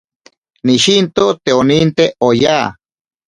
Noshinto te oninte oya.